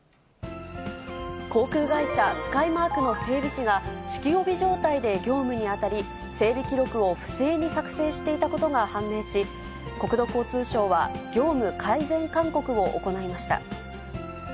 航空会社、スカイマークの整備士が、酒気帯び状態で業務に当たり、整備記録を不正に作成していたことが判明し、国土交通省は業務改善勧告を行いました。